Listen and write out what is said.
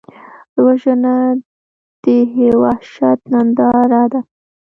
وژنه د وحشت ننداره ده